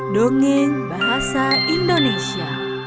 dongeng bahasa indonesia